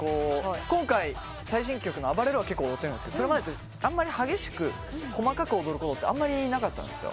今回最新曲の『ＡＢＡＲＥＲＯ』は結構踊ってるんですけどそれまでってあんまり激しく細かく踊ることってあんまりなかったんですよ。